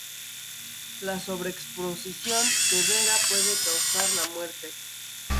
La sobreexposición severa puede causar la muerte.